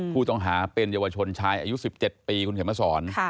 ผู้ต้องหาเป็นเยาวชนชายอายุ๑๗ปีคุณเขียนมาสอน